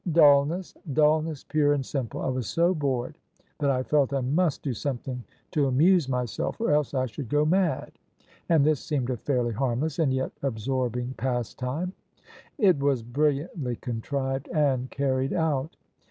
" Dulness — dulness pure and simple. I was so bored that I felt I must do something to amuse myself or else I should go mad and this seemed a fairly harmless and yet absorbing pastime." " It was brilliantly contrived and carried out."